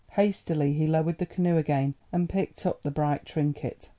Hastily he lowered the canoe again, and picked up the bright trinket.